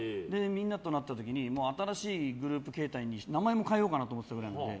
みんなとなった時に新しいグループ形態で名前も変えようかなと思ってたくらいなので。